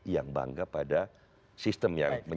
yang bangga pada sistem yang